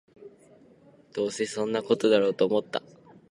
「吾輩はここの教師の家にいるのだ」「どうせそんな事だろうと思った